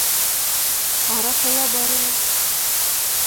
— Араҡы ла бар ине